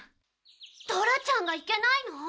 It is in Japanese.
ドラちゃんが行けないの？